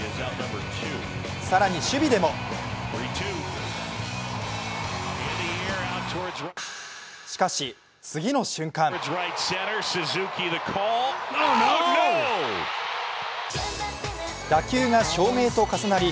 更に守備でもしかし、次の瞬間打球が照明と重なり